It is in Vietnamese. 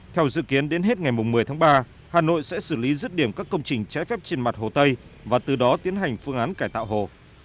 theo dự kiến đến hết ngày một mươi tháng ba hà nội sẽ xử lý rứt điểm các công trình trái phép trên mặt hồ tây và từ đó tiến hành phương án cải tạo hồ